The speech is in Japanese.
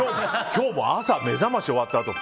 今日も朝「めざまし」終わったあと。